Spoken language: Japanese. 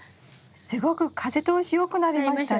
すごく風通し良くなりましたね。